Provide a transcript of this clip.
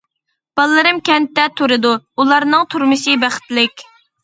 بالىلىرىم كەنتتە تۇرىدۇ، ئۇلارنىڭ تۇرمۇشى بەختلىك.